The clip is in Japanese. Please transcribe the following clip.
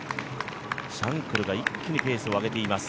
シャンクルが一気にペースを上げています。